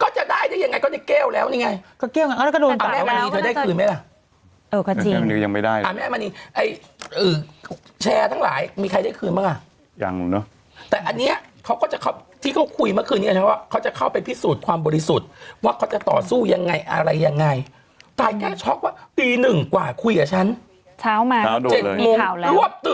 โหโหดุนุ่มไม่หลับแล้วคือนไหมล่ะเอ่อค่ะจริงยังไม่ได้เรามึงแอบบานนี้ไอเอ่อแชร์ทั้งหลายมีใครได้คืนไหมล่ะยังเนอะแต่อันเนี้ยเขาก็จะเขาที่เขาคุยเมื่อกี๊เขาจะเข้าไปพิสูจน์ความบริสุทธิ์ว่าเขาจะต่อสู้ยังไงอะไรยังไงตายแก้ช็อกว่าปีหนึ่งกว่าคุยกับฉันเช้ามาเ